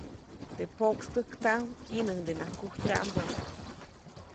Teʼ pokstäjtaʼm jiʼnuŋdenaʼak kujtyaʼmbä.